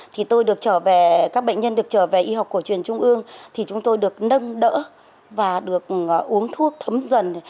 thì tôi được trở về các bệnh nhân được trở về y học cổ truyền trung ương thì chúng tôi được nâng đỡ và được uống thuốc thấm dần